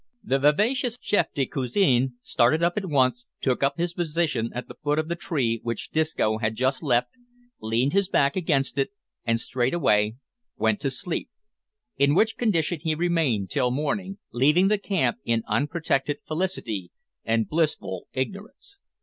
The vivacious chef de cuisine started up at once, took up his position at the foot of the tree which Disco had just left, leaned his back against it, and straightway went to sleep, in which condition he remained till morning, leaving the camp in unprotected felicity and blissful ignorance.